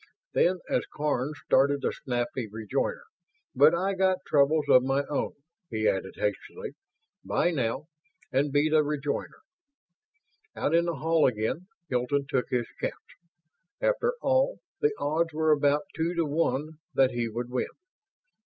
Then, as Karns started a snappy rejoinder "But I got troubles of my own," he added hastily. "'Bye, now," and beat a rejoinder Out in the hall again, Hilton took his chance. After all, the odds were about two to one that he would win.